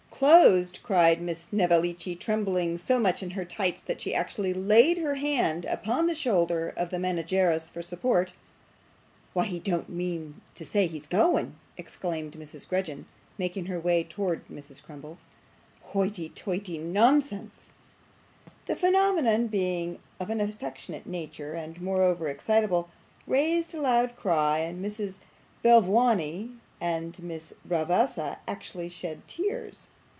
'Closed!' cried Miss Snevellicci, trembling so much in her tights that she actually laid her hand upon the shoulder of the manageress for support. 'Why he don't mean to say he's going!' exclaimed Mrs. Grudden, making her way towards Mrs. Crummles. 'Hoity toity! Nonsense.' The phenomenon, being of an affectionate nature and moreover excitable, raised a loud cry, and Miss Belvawney and Miss Bravassa actually shed tears.